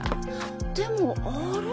でもあれ？